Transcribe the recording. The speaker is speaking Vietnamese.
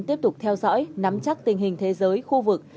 tiếp tục theo dõi nắm chắc tình hình thế giới khu vực